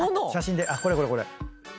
これこれこれ。